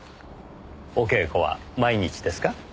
お稽古は毎日ですか？